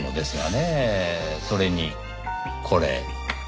それにこれ。